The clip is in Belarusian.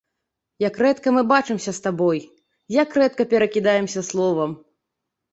Як рэдка мы бачымся з табою, як рэдка перакідаемся словам!